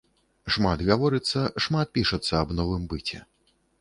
Шмат гаворыцца, шмат пішацца аб новым быце.